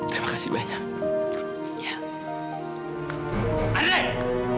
terima kasih banyak